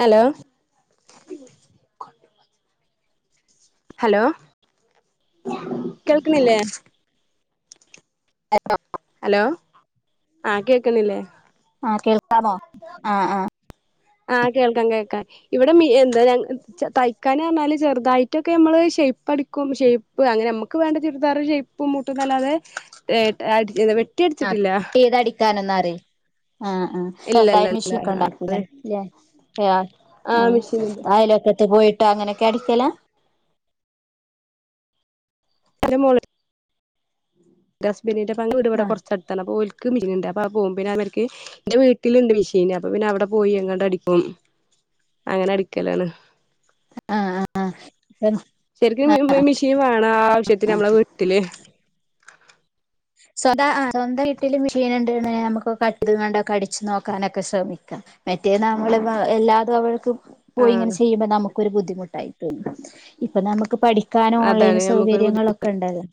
Hello hello കേൾക്കുന്നില്ലേ [inaudible] hello ആ കേക്കുന്നില്ലേ ആഹ് കേൾക്കാമോ [unintelligible] ആഹ് ആഹ് ആ കേൾക്കാം കേക്കാ ഇവിടെ മി എന്താ ഞങ്ച തയ്ക്കാന് അർഞ്ഞാല് ചെറ്തായിറ്റൊക്കെ ഞമ്മള് ഷെയ്പടിക്കും. ഷെയ്പ് അങ്ങനെ മ്മക്ക് വേണ്ട ചുരിദാറ് ഷെയ്പും മുട്ട് [unintelligible] ആ കട്ട് ചെയ്ത് അടിക്കാനന്ന ദെ ആ ആ ഇല്ല ഇല്ല ഇല്ല സ്വന്തായിമിഷീൻ ഒക്കെ ഉണ്ടായിരിക്കൂല്ലേ അതെ അ ആ ആഹ് മെഷീനുണ്ട് അയിലൊക്കെത്ത് പോയിട്ടാ അങ്ങനെയൊക്കെ അടിക്കലാ ഹലമോള് [unintelligible] [unintelligible] വെട ആഹ് കൊർച്ചട്‌ത്താനപോൽ മിഷീൻണ്ട്അപ്പൊപോകപിന്നെഅവർക്ക്എന്റെവീട്ടിലുണ്ട്മിഷീന്അപ്പൊ പിന്നെ അവിടെ പോയി അങ്ങട്ട് അടിക്കും അങ്ങനെ അടിക്കലാണ് ആഹ് ആഹ് സ്വന്തം ശെരിക്കും മി മിഷീൻ വാണം ആവശ്യത്തിന് നമ്മളെ വീട്ടി പിന്നെ സ്വതാ ആഹ് സ്വന്തംവീട്ടില് മെഷീൻണ്ട്ന്ന് നമുക്കൊക്കെ അട്ട്ത് കാണ്ടക്കെ അടിച്ചു നോക്കാനൊക്കെ ശ്രമിക്ക മറ്റേ നമ്മള് എല്ലാതും അവൾക്കും പോയി ആഹ് ഇങ്ങനെ ചെയ്യുമ്പോ നമുക്കൊ രു ബുദ്ധിമുട്ടായി ഇപ്പൊ നമക്ക് പഠിക്ക ക്കാനും ഓൺലൈൻ അതാണ് നമുക്കൊരു ബുദ്ധി സൗകര്യങ്ങളൊക്കെ ഇണ്ടല്ലോ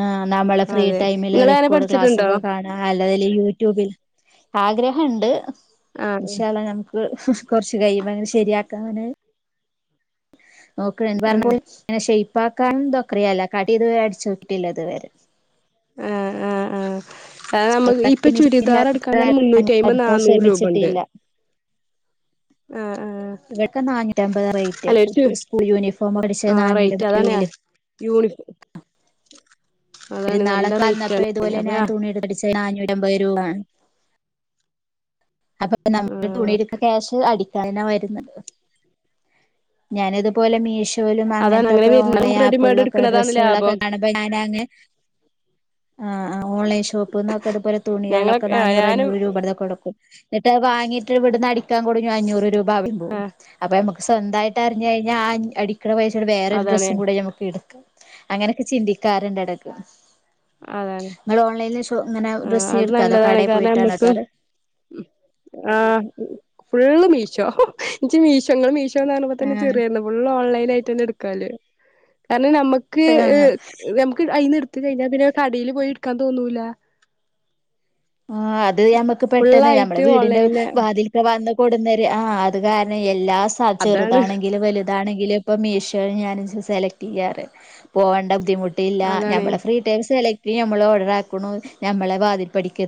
ആ് നമ്മളെ ഫ്രീ അതെ ടൈമില് നിങ്ങളങ്ങനെ റിക്കോർഡ് പഠിച്ചിട്ടുണ്ടോ ക്ലാസ്സൊക്കെ കാണാ അല്ലെയ്ല് യൂട്യൂബിൽ ആഗ്രഹണ്ട് ആഹ് ഇൻഷാഅള്ളാഹ് നമുക്ക് കൊറച്ച് കൈയുമ്പ [unintelligible] ശരിയാക്കാന് നോക്കണ ആഹ് പറഞ്ഞലങ്ങെ [unintelligible] പപ്പാക്കാൻന്തൊക്കയല്ല കടി ഇത് വേടിച്ചോക്കി കിട്ടില്ല ഇത് വരെ ആഹ് ആഹ് ആഹ് അ നമക്ക് ഇപ്പൊ ചുരിദാർ എടുക്കാൻ തന്നെ മുന്നൂറ്റി അയിമ്പത് അടിക്കാൻ നന്നൂറ് രൂപ ഉണ്ട് ആഹ് ആഹ് ഇവടൊ ഒക്കെ നാനൂറ്റ അമ്പത് റേറ്റ് അല്ല ഒരു ചു കുട്ടി സ്കൂൾ യൂണിഫോം അടിച്ച ആഹ് റേറ്റ് നന്നൂറ്റമ്പത് രൂ അതാണ് യൂണിഫോ അതാണ് നല്ല പെരുന്നാളൊക്കെ റേറ്റ് വന്നപ്പെ ആണ് ഇതുപോലെ അപ്പ ഞാൻ തുണിയെടുത് അടി ച്ചാ നാനൂറ്റി അമ്പത് രൂപാണ് അപ്പൊ നമ്മള് തുണി എടുക്ക ക്യാഷ് അടി നെ വരുന്നത് ഞാന് ഇതുപോലെ മീഷ് ലും അതാണ് അങ്ങനെ അങ്ങനൊക്കെ വരുന്ന ഓൺലൈൻ നമുക്ക് റെഡിമെയ്ഡ് ആപ്പിലൊക്കെ എടുക്കണതാണ് ഡ്രെസ്സുകളൊക്കെ ലാഭം കാണുമ്പ ഞാനെ ആഹ് ആഓൺലൈൻ ഷോ - - ഷോപീന്നൊക്കെ ഇതു പോല തുണികളൊക്കെ ഞങ്ങളൊക്കെ നാനൂറ് ഞാനും അഞ്ഞൂറ് രൂപ ടെക്കെ കൊടുക്കും എന്നിട്ട് വാങ്ങീട്ട് എവിടന്നാ അടിക്കാൻ കൊടഞ്ഞു അഞ്ഞൂറ് രൂപ? [unintelligible] അപ്പൊ നമുക്ക് സ്വന്തായി കേട്ടറിഞ്ഞഴിഞ്ഞ അ അടി ക്ക്ണ പൈസനോട് വേറെര് അതാണ് ഡ്രസ്സും കൂടെ നമക്ക് എടുക്കാ അങ്ങനെയൊക്കെ ചിന്തിക്കാർണ്ട് എടക്ക് അതാണ് ഇങ്ങള് ഓൺലൈൻ ഷോ ഇങ്ങനെ ആഹ് ഡ്രസ്സ് അത് എടുക്കാതോ നല്ലതാണ് കടയിൽ കാരണം പോയിട്ടാണോ നമ്മക്ക് എടുക്കാറ്? ആഹ് ഫുള്ള് മീ ശോ നിച്ച് മീശോ ങ്ങള് മീ [unintelligible] തന്നെ ആഹ് ചെറിയേരുന്നു ഫുള് ഓൺലൈനായിട്ട് തന്നെ എട് ല് നമ്ക്ക് ആഹ് നമ്ക്ക് അയിന്നെട് ഇത്തിരി കഴിഞ്ഞാൽ പിന്നെ കടയില് പോയി ഇടുക്കാൻ തോന്നൂല്ല ആ അത് യമ്മക്ക് പെട്ടെന്ന് നമ്മള ഫുള്ളായിട്ട് വീടിന്റെ ഓൺലൈനില് വാതിൽക്ക വന്ന് കൊടുന്നര് ആഹ് അത് കാരണം എല്ലാ സാ അതാണ് ചെറുതാണെങ്കില് വലുതാണെങ്കിലും ഇപ്പൊ മീഷോയിൽ ഞാൻ സെലക്ട് ചെയ്യാറ് പോകണ്ട ബുദ്ധിമുട്ട് ട്ടീലാ അതാണ് ഞമ്മളെ ഫ്രീ ടൈം സെലെക്ട് ഈ നമ്മള് ഓർഡറാക്ക്ണു നമ്മളെ വാതിൽപ്പടിക്കെ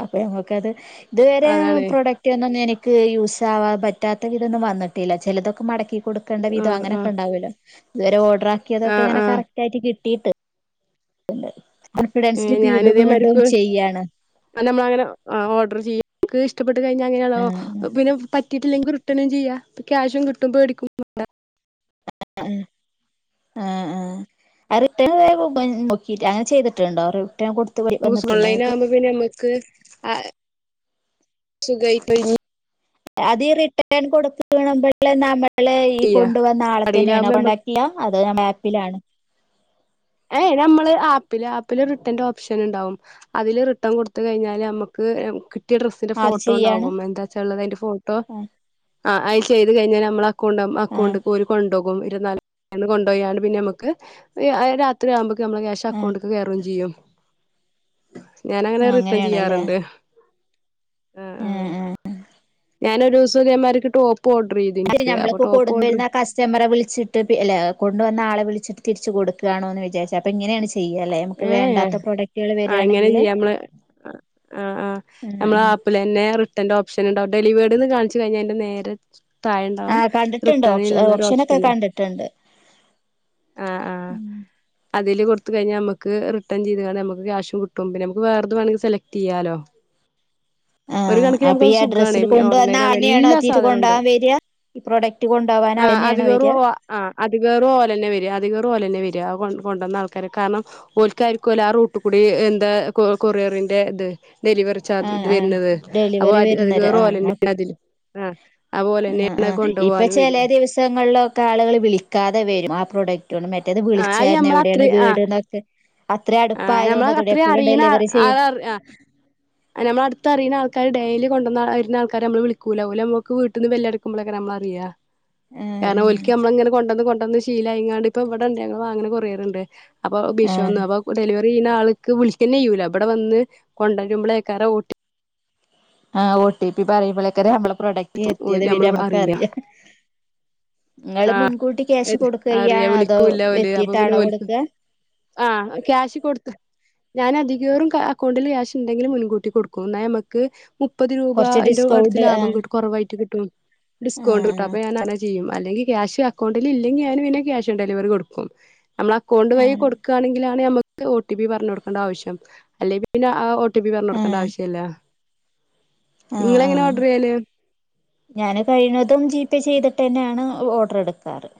അപ്പൊ നമുക്കത് ഇത് വരേ അതാണ് പ്രോഡക്റ്റ് വന്നോന്നെനിക്ക് ക്ക് യൂസ്സാവാൻ പറ്റാത്ത ഇതൊന്നും വന്നിട്ടില്ല ചെലതൊക്കെ മടക്കി കൊടുക്കണ്ട വിധം ആഹ് അങ്ങനൊക്കെ ആഹ് ണ്ടാവുല്ലോ ഇതുവരെ ഓഡ ആഹ് റാക്കിയതൊക്കെങ്ങന ആഹ് കറക്റ്റായിട്ട് കിട്ട ട്ടീട്ട് ണ്ടായി ഏ ഞാനിതേമാര്ക്ക് അന്നമ്മളങ്ങനെ ഓർഡർ ചെയ്യ എന്ക്ക്ഷ്ടപ്പെട്ട അത് കഴിഞ്ഞാ അങ്ങനൊള്ളാ ആഹ് പിന്നെ പ കിട്ടീല്ലെങ്കിൽ റിട്ടനും ചെയ്യാം അപ്പ ക്യാഷും കിട്ടുംമ്പേടിക്ക്വേം വേണ്ട ആ ആ റിട്ടേൺ അങ്ങനെ ചെയ്തിട്ടുണ്ടോ ഒരു [unintelligible] ആ സുഖായിക്കയിഞ്ഞു അതീ റിട്ടേൺ കൊടുക്കണ് [unintelligible] നമ്മ ല്ലാഈ ചെയ്യാ കൊണ്ട് വന്ന ആളെ തന്നെയാണ് കടയിലാകുമ്പോ കോണ്ടാക്ട് ഇല്ലാ അത് ആ ആപ്പിലാണ് ഏയ് നമ്മള് ആപ്പില് ആപ്പില് റിട്ടേന്റെ ഓപ്ഷൻ ഇണ്ടാവും അതില് റിട്ടേൺ കൊടുത്ത് കഴിഞ്ഞാല് നമ്മുക്ക് കിട് യ ഡ്രസ്സിന്റെ ആദ്യം ഫോട്ടോ ചെയ്യാണ് ണ്ടാവും എന്താ വച്ചാള്ളത് അതിന്റെ ഫോട്ടോ ആഹ് ആ അത് ചെയ്ത് കഴിഞ്ഞാൽ നമ്മള അക്കൗണ്ടാവും ആ ആഹ് അക്കൗണ്ട്പ്പോ ഓര് കൊണ്ട്പോകും [unintelligible] കൊണ്ടു പോയാണ് പിന്നെ നമക്ക് ത്രിയാവുമ്പ നമ്മ ആഹ് ക്യാഷക്കൗണ്ട്ക്ക് കയറുകയും ചെയ്യും ഞാന അങ്ങനെ ആഹ് റിട്ടേൺ ചെയ്യാറുണ്ട് ഉം ഉം ഞാനൊരു ദിവസം ഇതേമാതിരി കിട്ടുവോ. അല്ല ഞമ്മളിപ്പോ [unintelligible] കസ്റ്റമറെ വിളിച്ചിട്ട് അല്ല കൊണ്ടുവന്ന ആളെ വിളിച്ചിട്ട് തിരിച്ച് കൊടുകാണോ ന്ന് വിജാരിച്ച അപ്പോൾങ്ങനെണ് ചെ ഏഹ് ആ ഇങ്ങനെ വരിയാണെങ്കില് ചെയ്യാ നമ്മള് ആ ആ ആഹ് നമ്മള് ആഹ് ആപ്പിൽ അന്നെ ർ ട്ടന്റെ ഓപ്ഷൻ ഇണ്ടാവും ഡലിവേഡ്ന്ന് കാണിച്ച കഴിഞ്ഞാ അതിന്റെ നേരെ തായ ഇണ്ടാവും ആഹ് കണ്ടിട്ടുണ്ട് റിട്ടേൺ ഓപ്ഷ എന്നോരു ഓപ്ഷനൊക്കെ ഓപ്ഷന് കണ്ടിട്ടുണ്ട് ആ ആ അതില് കൊടുതു കഴിഞാൽ നമക്ക് ക്ക് റിട്ടേൺ ചെയ്ത് നമക്ക് ക്യാഷും കി ട്ടും പിന്നെ നമുക്ക് വേറ വേണമെങ്കി സെലക്ട് ചെയ്യാലോ ആ ഒരു കണക്കിന് അപ്പൊ ഈ നമുക്കത് സുഖാണ് അഡ്രസ്സിൽ കൊണ്ട വന്നാ ഓൺലൈനാവുമ്പോ അവനെയാണോ എല്ലാ എത്തിട്ട് സാധനുണ്ട് കൊണ്ടാവാൻ വരിയ ഈ പ്രൊഡക്റ്റ് കൊണ്ട പോവാൻ അവനെയണോ വരിയ അകേറും ഓല് ന്നെ വരിയ അതികേറും ഓല് ന്നെ വരിയ കൊണ്ടുവന്ന ആൾക്കാര് കാരണം ഓല്ക് ആയിരിക്കും ആ റൂട്ടുകൂടി എന്താ കൊ കൊറിയറിന്റെ ഇത് ഡെലിവറി ആ ചാർജ് ഇത് ആ വര്ണത് അപ്പൊ ഡെലിവറി വരുന്നരം അധികേറും ഓലെന്നെ ആ ആഹ് ആ ആ അതുപോലെന്നെയാണ് ഇപ്പൊ കൊണ്ടുപോകാനും വരിക ചില ദിവസങ്ങളിലൊക്കെ ആളുകൾ വിളിക്കാതെ വരും ആ പ്രൊഡക് റ്റ് മറ്റേത് വിളിച്ചായിരുന്നു എ വിടെയാണ് വീട് എന്നൊക്കെ അത്രയും ആ ഞമ്മള അടുപ്പായതുകൊണ്ട് അതോടെ അത്രയും എപ്പഴും അറിയുന്ന ഡെലിവറി ചെയ്യും ആ നമ്മള അടുത് അറിയു ന്ന ആൾക്കാര് ഡെയിലി കൊണ്ടുവരുന്ന ആൾക്കാര് നമ്മള് വിളിക്കൂല ഓല് നമ്മക്ക് വീട്ടി നിന്ന് ബെല്ലടിക്കുമ്പോളായിരിക്കും നമ്മളറിയാ കാരണം ഓല്ക് ആഹ് നമ്മള ഇങ്ങനെ കൊണ്ട കൊ വന്ന് ശീലായിങ്ങാണ്ട് ഇപ്പ ഇവിടെ ണ്ട് ഞങ്ങൾ വാങ്ങണ കൊറിയറുണ്ടെ അപ്പൊ ആഹ് [unintelligible] ആൾക്ക് വിളിക്കുക തന്നെ ചെയ്യൂല അവിടെ വന്ന് കൊണ്ടരുമ്പോളക്കാ ഓട്ടി ആ ഓ ടി പി പറയുമ്പോഴേക്ക ന പ്രൊഡക്റ്റ് എത്തിയത് വരെ നമുക്ക് അറിയാം നിങ്ങള് ആഹ മുൻകൂട്ടി ക്യാഷ് അറിയ കൊടുക്കുകയാണോ അതോ വിളിക്കൂല്ല പോല് അപ്പൊ എത്തിയിട്ടാണോ പിന്നെലിക്ക കൊടുക്കുക ആ ക്യാഷ് കൊടുത്ത വെറും അക്കൗണ്ടിൽ ക്യാഷ് ഉണ്ടെങ്കിൽ മുൻകൂട്ടി കൊടുക്കും എന്നാ നമക്ക് മുപ്പത് രൂപ കുറച്ച് എന്റെ അടുത്ത് ഡിസ്കൗണ്ട് ലാഭം ആഹ് കട്ട കുറവായിട്ട് കിട്ടും ഡിസ്കൗണ്ട് കിട്ടും ആഹ് അപ്പൊ ഞാൻ അങ്ങനെ ചെയ്യും അല്ലെങ്കി ക്യാഷ് അക്കൗണ്ടിൽ ഇല്ലെങ്കി ഞാന് പിന്നെ ക്യാഷ് ഓൺ ഡെലിവറി കൊടുക്കും നമ്മൾ അക്കൗണ്ട് വഴി ആഹ് കൊടുക്കണെങ്കിലാണ് നമക്ക് ഒ ടി പി പറഞ്ഞ കൊടുക്കണ്ട ആവശ്യം അല്ലെങ്കി പിന്നെ ഒ ടി പി പറഞ്ഞ കൊടുക്കേണ്ട ആവശ്യല്ല ആഹ ആഹ ചെയ്യല് ഞാന് കഴിയു ന്നതും പെ ചെയ്തിട്ട് തന്നെയാണ് ഓർഡർ എടുക്കാറ്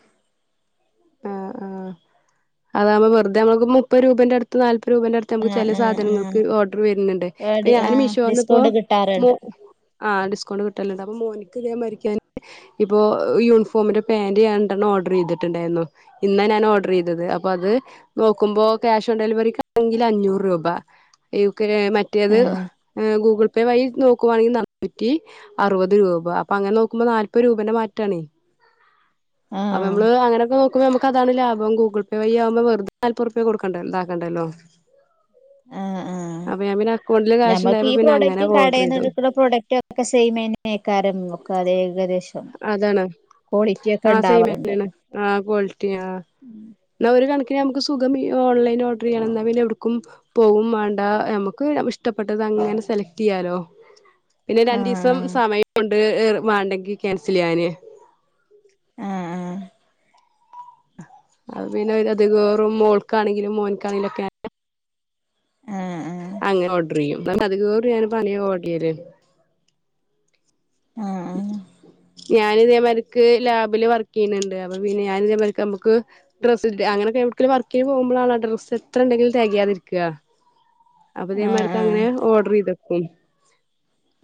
ആ ആ അതാവകുമ്പോ വെറുതെ നമ്മ മുപ്പത് രൂപന്റെ അടുത്ത് നാല് രൂപേന്റെ അടുത്ത് നമുക്ക് ആഹ് ചില ആഹ് ആഹ് സാധനങ്ങൾക്ക് ഓർഡർ വരുന്നുണ്ട് അപ്പ ഏടി ഞാൻ ആഹ് മീഷോന്ന്പ്പോ ഡിസ്കൗണ്ട് മൊ കിട്ടാറുണ്ട് ആ ഡിസ്കൗണ്ട് കിട്ടലണ്ട് അപ്പൊ മോന് [unintelligible] ഇപ്പോ യൂണിഫോമിന്റെ പാൻറ് രണ്ടെണ്ണം ഓർഡർ ചെയ്തിട്ടുണ്ടായിരുന്നു ഇന്നാ ഞാൻ ഓർഡർ ചെയ്തത് അപ്പൊ അത് നോക്കുമ്പോ ക്യാഷ് ഓൺ ഡെലിവറിക്കാണെങ്കിൽ അഞ്ഞൂറ് രൂപ മറ്റേത് ആഹ് ഗൂഗിൾ പേ വഴി നോക്കുവാണെങ്കിൽ നാന്നൂറ്റി അറുപത് രൂപ അപ്പൊ അങ്ങനെ നോക്കുമ്പോ നാല്പത് രൂപേന്റെ മാറ്റണേ അപ്പൊ ആഹ് നമ്മള് അങ്ങനെയൊക്കെ നോ അതാണ് ലാഭം ഗൂഗിൾ പേ വഴിയാകുമ്പോ വെറുതെ നാല്പത് റുപിയ കൊടുക്കണ്ട താക്കണ്ടല്ലോ ആഹ് ആഹ് കാശ് ഞമ്മക്ക് ഉണ്ടായപ്പോ ഈ പിന്നെ അങ്ങനെ പ്രോഡക്റ്റ് ഓർഡർ ചെയ്തു കടയിന്നെടുക്കണ പ്രോഡക്റ്റ് ഒക്കെ സെയിമെന്നേക്കാരും ഒക്കെ അത് ഏകദേശ അതാണ് ആ സെയിം ഉണ്ടാവാറുണ്ട് തന്നെയാണ് ആ ക്വാളിറ്റി ആഹ് എന്ന ഒരു കണ പിന്നെ നമുക്ക് സുഖം ഈ ഓൺലൈൻ ഓർഡറെയ്യണംന്നാ പിന്നെ എവിട്ക്കും പോകും മാണ്ടാ നമുക്ക് ഇഷ്ടപ്പെട്ടത് അങ്ങനെ സെലക്ട് ചെയ്യാലോ പിന്നെ രണ്ടീസം ആഹ് സമയൊണ്ട് ഏർ മാണ്ടെങ്കി ക്യാൻസൽ ചെയ്യാന് ആഹ് അത് പിന്നെ അത്കേറും മോൾക്കാണെങ്കിലും മോനക്കാണെങ്കിലും ഒക്കെ ആഹ് ന്നട്ട് അതികേറും [unintelligible] ആഹ് ആഹ് ഞാന് ഇതേമാതിരിക്ക് ലാബില് വർക്ക് ചെയ്യ്ന്ന്ണ്ട് അപ്പൊ പിന്നെ ഞാൻ ഇതേമാരിക്ക് നമുക്ക് ഡ്രസ്സ് അങ്ങനെയൊക്കെ എവിടെക്കെങ്കിലും വർക്കിന് പോകുമ്പോളാണല്ലോ ഡ്രസ്സ് എത്ര ഉണ്ടെങ്കിലും തെകയാതിരിക്കുക അപ്പയിതേ ആഹ് മാരിക്ക് ആഹ് അങ്ങനെ ആഹ് ഓർഡർ ചെയ്ത് ഉം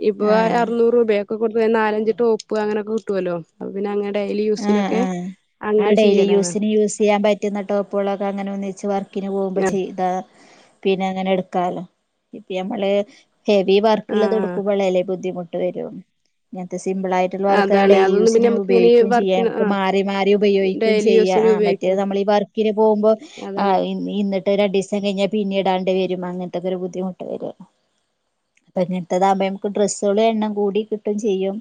ഇപ്പൊ ആഹ് അർനൂറ് രൂപയൊക്കെ കൊ കൊടുത്ത നാലഞ്ചു ടോപ്പ് അങ്ങനൊക്കെ കിട്ടോലോ അപ്പൊ പിന്നെ അങ്ങനെ ഡെയിലി ആ യൂസിനൊക്കെ ആഹ് ആ അങ്ങനെ ഡെയിലി ചെയ്യലാണ് യൂസിന് യൂസ് ചെയ്യാൻ പറ്റുന്ന ടോപ്പുകളൊക്കെ അങ്ങനെ ഒന്നി ച്ച് വർ ക്ക്ന് പോകുമ്പോ ആഹ് ചെയ്താ പി പിന്നെ അങ്ങനെ എടുക്കാലോ ഇപ്പ ഞമ്മള് ഹെവി ആഹ് വർക്കുള്ളതെടുക്കുമ്പളല്ലേ ബുദ്ധിമു [unintelligible] ഇങ്ങൻതെസ് സിമ്പിളായിട്ടുള്ളവർക്ക് അതാണ് ഡെയിലി അതൊന്നും പിന്നെ യൂസിന് ഉപയോഗി നമുക്കിങ്ങനെ ക്കും ചെയ്യ വർക്കിന് മ്ക്ക് ആഹ് മാറി മാറി ഉപയോഗിക്കും ഡെയിലി ചെയ്യാ യൂസിന് ആ മറ്റേത് ഉപയോഗിക്കാം നമ്മളീ വർക്ക്ന് പോമ്പോ ആ അതാണ് ഇന്നിട്ട് രണ്ടീസം കഴിഞ്ഞ പിന്നിടാണ്ട് വെരും അങ്ങൻത്തൊക്കൊരു ബുദ്ധിമുട്ട് വെരും അപ്പൊ ഇങ്ങെൻത്തതാവുമ്പോ ഞമ്മക്ക് ഡ്രസ്സാള് എണ്ണം കൂടി കിട്ടും ചെയ്യും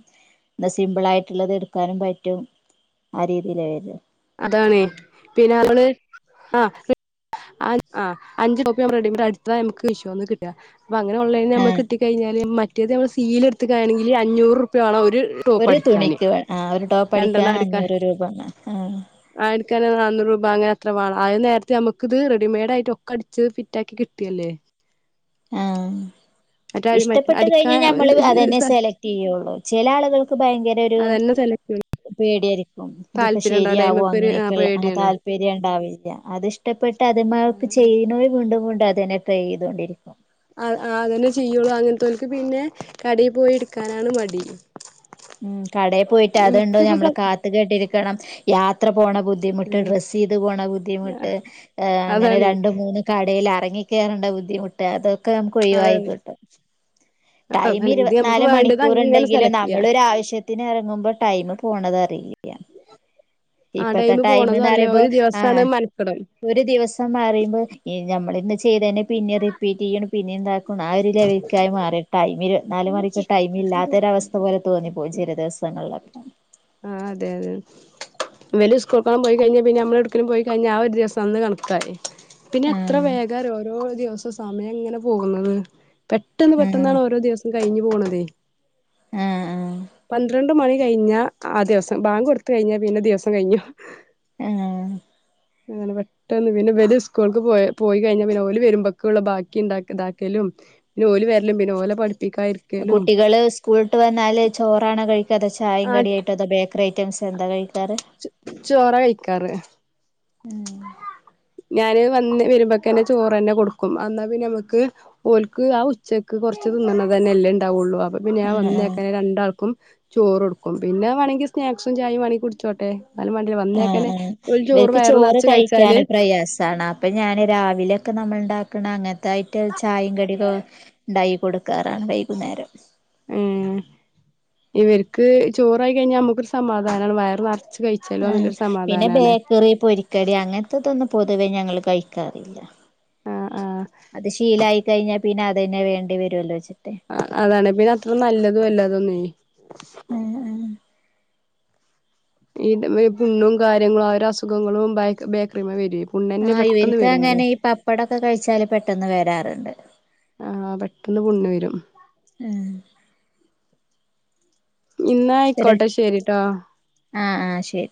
എന്താ സിമ്പിൾ ആയിട്ടുള്ളത് എട്ക്കാനും പ റ്റും ആ രീതിയില വെരാ അതാണേ പിന്നെ വള് ആഹ് റി ആ ആ അഞ്ചു കോപ്പി [inaudible] കിട്ടാ അപ്പങ്ങനെ ഓൺലൈന് ആ നമ്മക്കിട്ടി കയ്ഞ്ഞാല് മ റ്റത് ഞമ്മള് സീല്ട്ത്ത്ക്കാണെങ്കിൽ അഞ്ഞൂറുപ്യ വാണം ഒ ഒരു തുണിക്ക് വേ ആ ഒരു ടോപ്പടിക്കാൻ രണ്ടെണ്ണം അടിക്കാൻ അഞ്ഞൂറ് രൂപ ണം അ [unintelligible] രൂപ അങ്ങനെ അത്ര വാണം അത് നേരത്ത് നമുക്കിത് റെഡിമെയ്ഡായിട്ടൊക്കെ അടിച്ച് ഫിറ്റാക്കി കിട്ടല്ലേ ആഹ് മറ്റേ മറ്റേ ഇഷ്ടപ്പെട്ട് കഴിഞ്ഞ അടിക്കാൻ ഞമ്മള് അതെന്നെ സെലകെറ്റെയ്യുള്ളു ചെല ആളുകൾക്ക് ഭയങ്കരൊരു അതന്നെ സെലക്ട് പേടിയേര് ക്കും ഇതിപ്പോ താല്പര്യം ഉണ്ടാവില്ല ശരിയാവോ അയ്മക്കൊരു അങ്ങനെക്കെള്ള ആ പേടിയാണ് താല്പര്യം ണ്ടാവില്ല അതിഷ്ടപ്പെട്ട് അത് മ്മക്ക് ചെയ്യുണോര് വീണ്ടും വീണ്ടും അതെന്നെ ട്രൈയ്തോണ്ടിരി ആ അതെന്നെ ചെയ്യുള്ളൂ അങ്ങനത്തോര്ക്ക് പിന്നെ കടേ പോയി ഇട്ക്കാനാണ് മടി ഉം കടെ പോയിട്ട് അതുണ്ടോ എനിക്കിപ്പോ സ നമ്മള് കാത്തു കെട്ടിരിക്കണം യാത്ര പോണ ബുദ്ധിമുട്ട് ഉം ഡ്രസ്സീത് പോണ ബുദ്ധിമുട്ട് എ് അങ്ങനെ അതാണ് രണ്ട് മൂന്ന് കടേലറ - ഇങ്ങികേറണ്ട ബുദ്ധിമുട്ട് അതൊ ക്കെ നമ്മ്ക്ക് അതാണ് ഒയ്വായിക്കിട്ടും ടൈം അതാണ് ഇത് നമുക്ക് ഇരുപത്തിനാല് വേണ്ടത് മണിക്കൂർ അങ്ങനെ ഇണ്ടെങ്കിലും സെലക്ട് നമ്മൾ ചെയ്യാ ഒരു ആവശ്യത്തിന് എറങ്ങുമ്പോ ടൈമ് പോണത് അറിയില്ല ആ ഇപ്പത്തെ ടൈം ടൈമ്ന്ന് പോണതും അറിയില്ല പറയുമ്പോ ഒരു ആ ദിവസാണ് മെനക്കെടൽ ഒരു ദിവസം എന്ന് പറയുമ്പോൾ ഈ ഞമ്മളിന്ന്- ചെയ്തേൻ്റെ- പിന്നെ റിപ്പീറ്റിയ്യണം പിന്നെന്താക്കും ആ ഒരു ലെവലക്കായി മാറി ടൈമ് ഇരുപത്തിനാല് മാറിട്ട് ടൈം ഇല്ലാത്ത ഒരു അവസ്ഥപോലെ തോന്നിപ്പോയി ചില ദിവസങ്ങളിലൊക്കെ ആ അതെ അതെ വലിയ സ്കൂൾക്കെങ്ങാൻ പോയി കഴിഞ്ഞ പിന്നെ ഞമ്മള് എവിടെക്കേലും പോയി കഴിഞ്ഞ ആ ഒരു ദിവസം അന്ന് കണക്കായി പിന്നെ എത്ര ആഹ് വേഗറിയോ ഓരോ ദിവ സമയം ഇങ്ങനെ പോകുന്നത് പെട്ടെന്ന് ഉം പെട്ടെന്നാണ് ഓരോ ദിവസം- കഴിഞ്ഞു പോണതേ ആഹ് ആഹ് പന്ത്രണ്ട് മണി കഴിഞ്ഞ- ആ ദിവസം ബാങ്ക് കൊടുത്ത് കഴിഞ്ഞ പിന്നെ ദിവസം കഴിഞ്ഞു ആഹ് അങ്ങനെ പെട്ടന്ന് പിന്നെ വല്യ സ്കൂൾക്ക് പോ പോയി കഴിഞ്ഞാ പിന്നെ ഓല് വരുമ്പോക്കുള്ള ബാക്കി ഇണ്ടാക്കലും താക്കലും പിന്നെ ഓല് വരലും പിന്നെ ഓലെ പഠി കുട്ടികള് സ്കൂളിട്ട് വന്നാല് ചോറാണോ കഴിക്കാ അതോ ച - ചായും കട്യായിട്ടോ തോ ബേ ക്കറി ഐറ്റംസ് എന്താ കഴി ച ചോറാ കഴിക്കാറ് ഉം ഞാന് വന്ന് വരുമ്പക്കന്നെ ചോറ്ന്നെ കൊടുക്കും എന്നാ പിന്നെ നമ്മുക്ക് ഓൽക്ക് ആഹ് ഉച്ചക്ക് കുറച്ച് തിന്നണ തന്നെല്ലെ ഉണ്ടാവുള്ളു അ പ്പ പ്പിന്നെ ഞാൻ ആഹ് വന്നേക്കെന്നെ രണ്ടാൾക്കും ചോറൊടുക്കും പിന്നെ വേണങ്കി സ്നാക്സും ചായയും വേണെങ്കി കുടിച്ചോട്ടെ എന്നാലും വേണ്ടില്ല ആഹ് വന്നേക്കനെ ആഹ് ഒരു ഇവർക്ക് വയറ് ചോറ് നറച്ച് കഴിക്കൻ കഴിച്ചാല് പ്രയാസം സണ അപ്പം ഞാൻ രാവിലെയൊക്കെ നമ്മൾ ണ്ടാക്കണം അങ്ങനത്തെ അതായിട്ട് ചായയും കടിയൊക്കെ ഉണ്ടായി കൊടുക്കാറാണ് വൈകുന്നേരം ഇവർക്ക് ചോറായി കഴിഞ്ഞാ നമുക്കൊരു സമാധാനമാണ് വയറ് നിറച്ച് ആ പിന്നെ ബേക്കറി പൊരിക്കടി അങ്ങനെത്തെതൊന്നും പൊതുവെ ഞങ്ങൾ കഴിക്കാറില്ല ആഹ് ആഹ് അത് ശീലായി കഴിഞ്ഞാ പിന്നെ അത് തന്നെ വേണ്ടി വരുവല്ലോ വെച്ച് ആ അതാണ് പിന്നെ അത്ര നല്ലതും വല്ലതും നി ആഹ് ആഹ് ഈ [inaudible] പുണ്ണും കാര്യങ്ങളും ഓരോ അസുഖങ്ങളും ബ ബേക്കറിമേ വെറും ആഹ് ഇവർക്ക് അങ്ങനെ ഈ പപ്പടൊക്കെ കഴിച്ചാല് പെട്ടെന്ന് വരാറുണ്ട് ട്ടന്ന് പുണ്ണ് വേരും ആഹ് ഇന്നാ ആയിക്കോട്ടെ ശരിട്ടോ ആഹ് ആഹ് ശരി